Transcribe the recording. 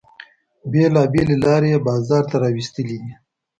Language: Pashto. بیلابیلې لارې یې بازار ته را ویستلې دي.